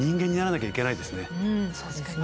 そうですね。